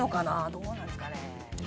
どうなんですかね。